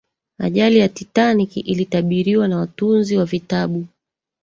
ajali ya titanic ilitabiriwa na watunzi wa vitabu